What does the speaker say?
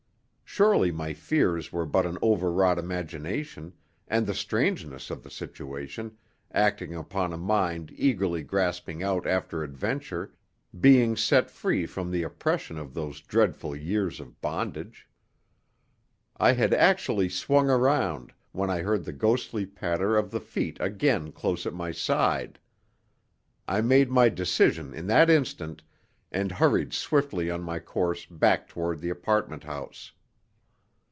Surely my fears were but an overwrought imagination and the strangeness of the situation, acting upon a mind eagerly grasping out after adventure, being set free from the oppression of those dreadful years of bondage! I had actually swung around when I heard the ghostly patter of the feet again close at my side. I made my decision in that instant, and hurried swiftly on my course back toward the apartment house.